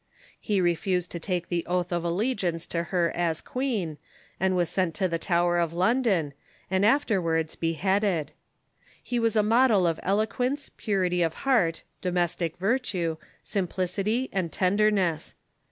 He refused to take the oath of allegiance to her as queen, and was sent to the Tower of London, and afterwards beheaded. He was a model of eloquence, purity of heart, do mestic virtue, simplicity, and tenderness.